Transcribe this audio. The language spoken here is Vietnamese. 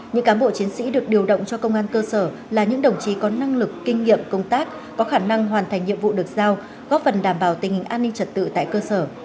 những cán bộ chiến sĩ được điều động cho công an cơ sở là những đồng chí có năng lực kinh nghiệm công tác có khả năng hoàn thành nhiệm vụ được giao góp phần đảm bảo tình hình an ninh trật tự tại cơ sở